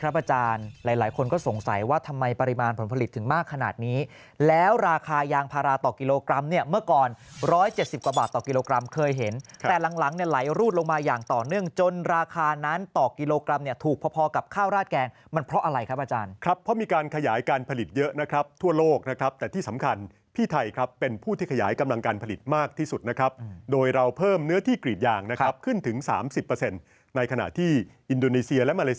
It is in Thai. อาจารย์หลายคนก็สงสัยว่าทำไมปริมาณผลผลิตถึงมากขนาดนี้แล้วราคายางพาราต่อกิโลกรัมเมื่อก่อน๑๗๐กว่าบาทต่อกิโลกรัมเคยเห็นแต่หลังไหลรูดลงมาอย่างต่อเนื่องจนราคานั้นต่อกิโลกรัมถูกพอกับข้าวราดแกงมันเพราะอะไรครับอาจารย์ครับเพราะมีการขยายการผลิตเยอะนะครับทั่วโลกนะครับแต่ที่